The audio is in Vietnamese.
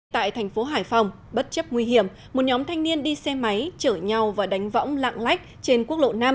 tại thành phố hải phòng bất chấp nguy hiểm một nhóm thanh niên đi xe máy chở nhau và đánh võng lạng lách trên quốc lộ năm